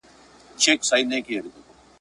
نه فریاد یې له ستړیا سو چاته کړلای ..